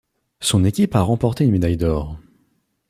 Son équipe a remporté une médaille d'or.